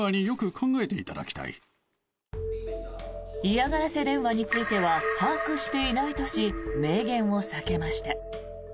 嫌がらせ電話については把握していないとし明言を避けました。